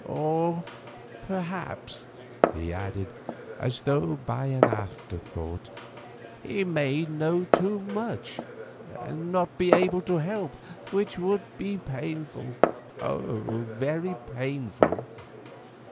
Or, perhaps," he added, as though by an afterthought, "he may know too much, and not be able to help; which would be painful, very painful."